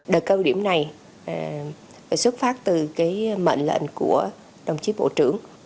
đợt cơ điểm này xuất phát từ mệnh lệnh của đồng chí bộ trưởng